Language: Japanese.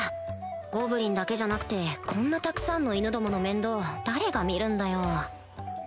ゴブリンだけじゃなくてこんなたくさんの犬どもの面倒誰が見るんだよ